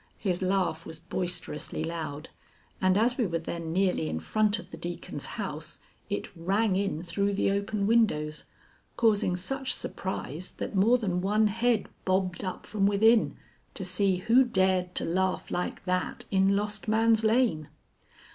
His laugh was boisterously loud, and as we were then nearly in front of the Deacon's house, it rang in through the open windows, causing such surprise, that more than one head bobbed up from within to see who dared to laugh like that in Lost Man's Lane.